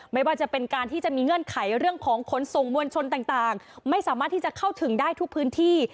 ไม่ว่าจะเป็นการที่จะมีเงื่อนไขเรื่องของขนส่งมวลชนต่างไม่สามารถที่จะเข้าถึงได้ทุกพื้นที่